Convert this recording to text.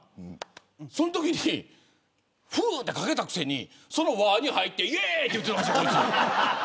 そのときにふーってかけたくせにその輪に入っていえーいって言ってたんですよこいつ。